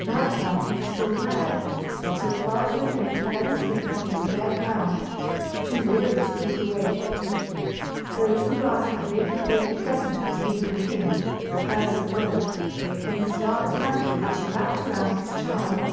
Night found him still there, until father and babe fell asleep upon the bare ground, too weary to keep awake. Sir Isumbras had laid the fatal present of the heathen king, the purse of gold, in the scarlet mantle which he wrapped around his child.